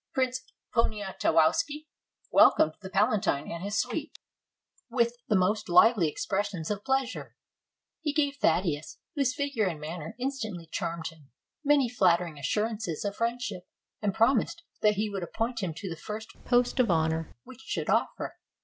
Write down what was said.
Prince Poniatowski welcomed the palatine and his suite 149 RUSSIA with the most lively expressions of pleasure. He gave Thaddeus, whose figure and manner instantly charmed him, many flattering assurances of friendship, and prom ised that he would appoint him to the first post of honor which should offer.